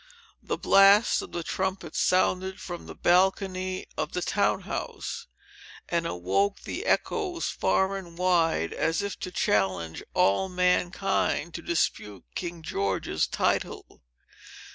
The blast of the trumpet sounded from the balcony of the Town House, and awoke the echoes far and wide, as if to challenge all mankind to dispute King George's title.